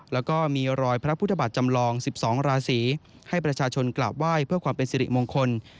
แล้วก็มีรอยพระพุทธบาทจำลอง๑๒ราศีให้ประชาชนกราบไหว้เพื่อความเป็นสิริมงคล